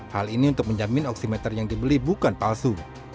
hal ini untuk menjamin oksimeter yang dibeli bukan palsu